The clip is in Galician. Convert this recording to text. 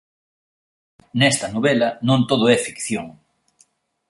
Nesta novela non todo é ficción.